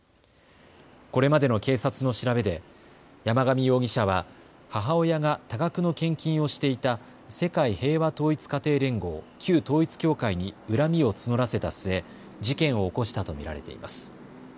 これまでの警察の調べで山上容疑者は母親が多額の献金をしていた世界平和統一家庭連合、旧統一教会に恨みを募らせた末、事件を起こしたと見られています。